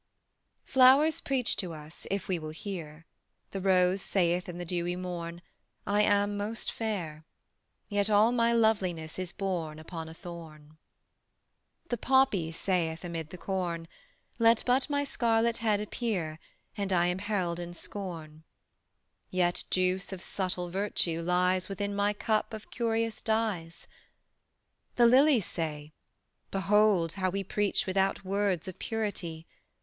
Flowers preach to us if we will hear: The rose saith in the dewy morn, I am most fair; Yet all my loveliness is born Upon a thorn. The poppy saith amid the corn: Let but my scarlet head appear And I am held in scorn; Yet juice of subtle virtue lies Within my cup of curious dyes. The lilies say: Behold how we Preach without words of purity.